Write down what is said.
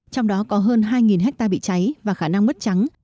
trong đó có hơn hai hectare bị cháy và khả năng mất trắng